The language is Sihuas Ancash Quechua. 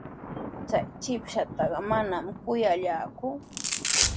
Chay shipashtaqa manami kuyallaaku.